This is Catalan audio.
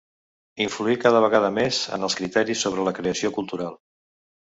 Influir cada vegada més en els criteris sobre la creació cultural